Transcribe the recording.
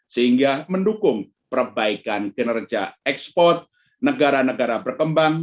sehingga mendukung perbaikan kinerja ekspor negara negara berkembang